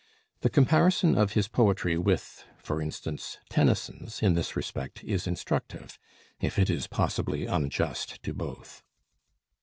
The comparison of his poetry with for instance Tennyson's, in this respect, is instructive; if it is possibly unjust to both.